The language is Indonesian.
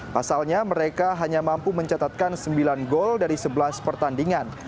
pasalnya mereka hanya mampu mencatatkan sembilan gol dari sebelas pertandingan